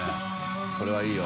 これはいいよ。）